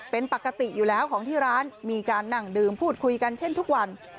เป็นปกติอยู่แล้วของที่ร้านมีการนั่งดื่มพูดคุยกันเช่นทุกวัน